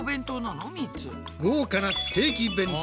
豪華なステーキ弁当。